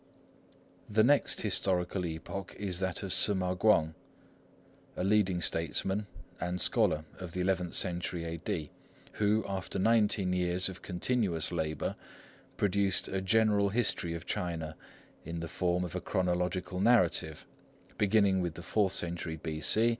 The next historical epoch is that of Ssŭ ma Kuang, a leading statesman and scholar of the eleventh century A.D., who, after nineteen years of continuous labour, produced a general history of China, in the form of a chronological narrative, beginning with the fourth century B.C.